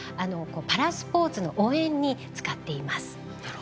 パラスポーツの応援に使っています。